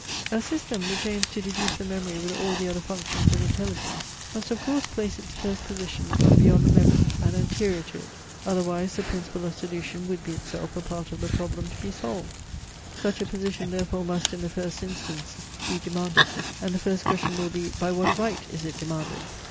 A system, which aims to deduce the memory with all the other functions of intelligence, must of course place its first position from beyond the memory, and anterior to it, otherwise the principle of solution would be itself a part of the problem to be solved. Such a position therefore must, in the first instance be demanded, and the first question will be, by what right is it demanded?